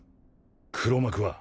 黒幕は？